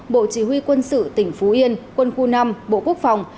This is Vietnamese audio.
bộ chỉ huy quân sự tỉnh phú yên quân khu năm bộ quốc phòng